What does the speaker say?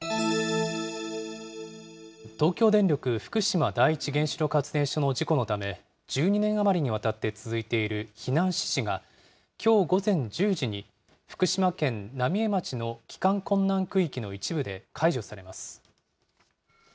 東京電力福島第一原子力発電所の事故のため、１２年余りにわたって続いている避難指示が、きょう午前１０時に福島県浪江町の帰還困難区域の一部で解除されます。